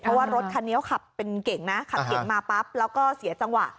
เพราะว่ารถคันนี้เขาขับเป็นเก่งนะขับเก่งมาปั๊บแล้วก็เสียจังหวะ